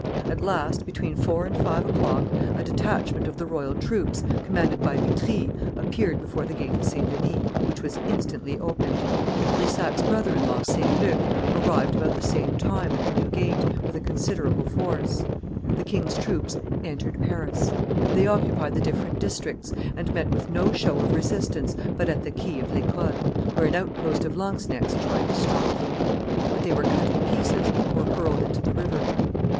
At last, between four and five o'clock, a detachment of the royal troops, commanded by Vitry, appeared before the gate of St. Denis, which was instantly opened. Brissac's brother in law, St. Luc, arrived about the same time at the New Gate, with a considerable force. The king's troops entered Paris. They occupied the different districts, and met with no show of resistance but at the quay of L'Ecole, where an outpost of lanzknechts tried to stop them; but they were cut in pieces or hurled into the river.